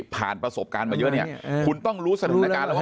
ผ่านประสบการณ์มาเยอะเนี่ยคุณต้องรู้สถานการณ์แล้วห้อง